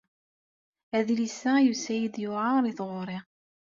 Adlis-a yusa-iyi-d yewɛeṛ i tɣuri.